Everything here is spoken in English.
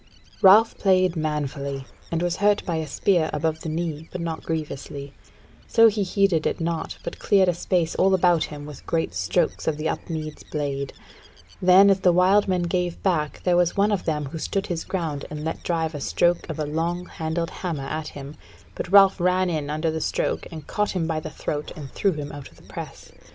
Ralph played manfully, and was hurt by a spear above the knee, but not grievously; so he heeded it not, but cleared a space all about him with great strokes of the Upmeads' blade; then as the wild men gave back there was one of them who stood his ground and let drive a stroke of a long handled hammer at him, but Ralph ran in under the stroke and caught him by the throat and drew him out of the press.